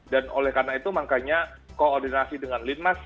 dan oleh karena itu makanya koordinasi dengan linmas